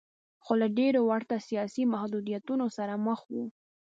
خو له ډېرو ورته سیاسي محدودیتونو سره مخ و.